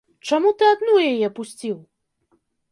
Чаму ты адну яе пусціў?